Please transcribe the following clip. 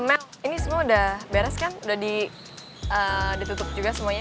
amel ini semua udah beres kan udah ditutup juga semuanya